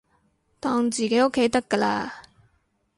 當自己屋企得㗎喇